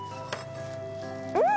うん！